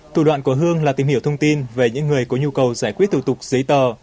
thủ đoạn của hương là tìm hiểu thông tin về những người có nhu cầu giải quyết thủ tục giấy tờ